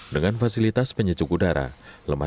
dengan fasilitas penyejuk udara lemari es dan wc dalam kamar